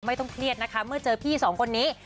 ไม่ต้องเครียดนะคะเมื่อเจอพี่สองคนนี้